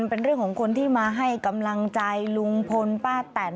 เป็นเรื่องของคนที่มาให้กำลังใจลุงพลป้าแต่น